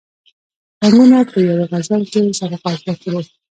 رنګونه په یوه غزل کې سره قافیه کړو.